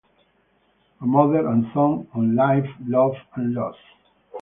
A Mother and Son on Life, Love, and Loss".